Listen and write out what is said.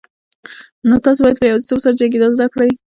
نو تاسو باید په یوازیتوب سره جنگیدل زده کړئ.